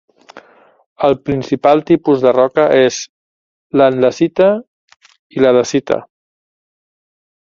El principal tipus de roca és l'andesita i la dacita.